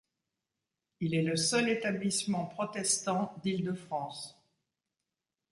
Il est le seul établissement protestant d'Île-de-France.